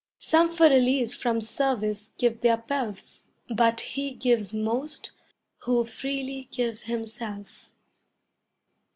Some for release from service give their pelf, But he gives most who freely gives himself.